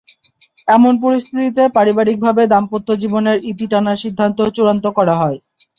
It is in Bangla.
এমন পরিস্থিতিতে পারিবারিকভাবে দাম্পত্য জীবনের ইতি টানার সিদ্ধান্ত চূড়ান্ত করা হয়।